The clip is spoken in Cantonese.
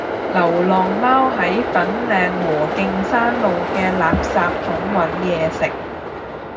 流浪貓喺粉嶺禾徑山路嘅垃圾桶搵野食